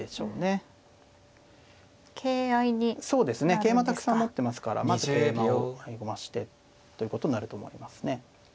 桂馬たくさん持ってますからまず桂馬を合駒してということになると思いますね。